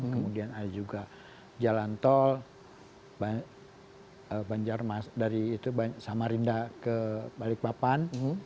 kemudian ada juga jalantol banjarmas dari itu sama rinda ke balikpapan